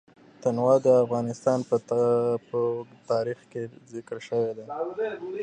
تنوع د افغانستان په اوږده تاریخ کې ذکر شوی دی.